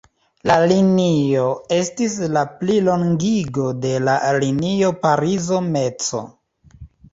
La linio estis la plilongigo de la linio Parizo–Meco.